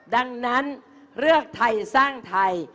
ดังนั้นเลือกไทยสร้างไทย